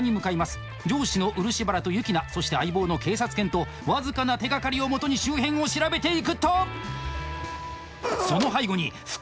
上司の漆原とユキナそして相棒の警察犬と僅かな手がかりをもとに周辺を調べていくと。